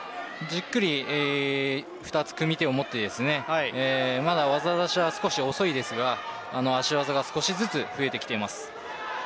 じっくり２つ組み手を持ってまだ技だしが少し遅いですが足技が少しずつ増えてきています。